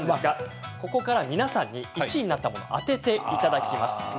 皆さんに１位になったものを当てていただきます。